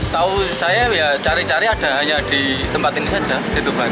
tau saya ya cari cari ada hanya di tempat ini saja di tuban